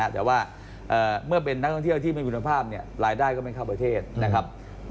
แต่ว่าเมื่อเป็นนักท่องเที่ยวที่ไม่คุณภาพรายได้ก็ไม่เข้าประเทศนะครับ